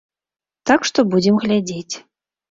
Так што будзем глядзець.